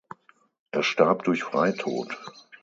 Er starb durch Freitod.